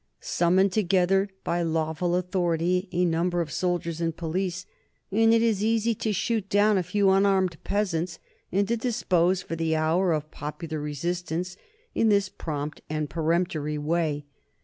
Summon together by lawful authority a number of soldiers and police, and it is easy to shoot down a few unarmed peasants, and to dispose for the hour of popular resistance in this prompt and peremptory way.